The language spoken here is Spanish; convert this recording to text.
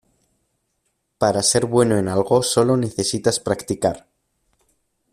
Para ser bueno en algo solo necesitas practicar.